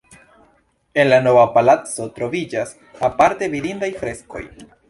En la Nova Palaco troviĝas aparte vidindaj freskoj.